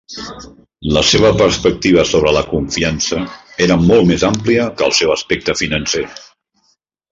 La seva perspectiva sobre la confiança era molt més àmplia que el seu aspecte financer.